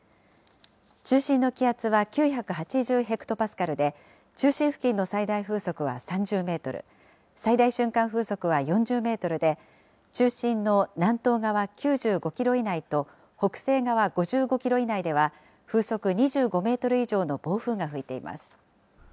中心の気圧は９８０ヘクトパスカルで、中心付近の最大風速は３０メートル、最大瞬間風速は４０メートルで、中心の南東側９５キロ以内と北西側５５キロ以内では、風速２５メートル以上の暴風が吹いています。